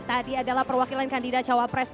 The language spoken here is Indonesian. tadi adalah perwakilan kandidat cawapres